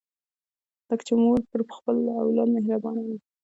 لکه مور چې پر اولاد وي مهربانه